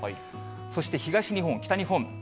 そして東日本、北日本。